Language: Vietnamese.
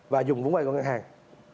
và dùng vũ vay của ngân hàng